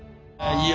いや。